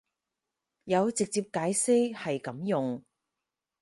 有直接解釋係噉用